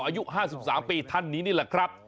อายุ๕๓ปีท่านนี้นี่แหละครับ